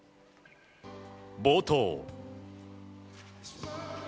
冒頭。